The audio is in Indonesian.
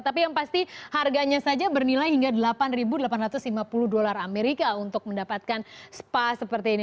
tapi yang pasti harganya saja bernilai hingga delapan delapan ratus lima puluh dolar amerika untuk mendapatkan spa seperti ini